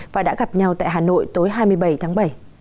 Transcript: và đã gặp nhau tại hà nội tối hai mươi bảy tháng bảy